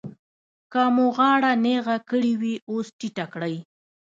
که مو غاړه نېغه کړې وي اوس ټیټه کړئ.